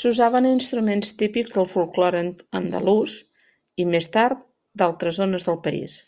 S'usaven instruments típics del folklore andalús i més tard d'altres zones del país.